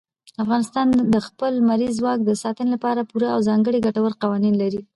افغانستان د خپل لمریز ځواک د ساتنې لپاره پوره او ځانګړي ګټور قوانین لري.